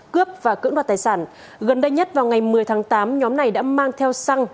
cướp và cưỡng đoạt tài sản gần đây nhất vào ngày một mươi tháng tám nhóm này đã mang theo xăng